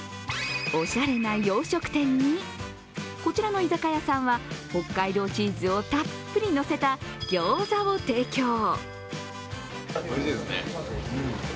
おしゃれな洋食店にこちらの居酒屋さんは北海道チーズをたっぷり乗せたギョーザを提供。